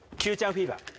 フィーバー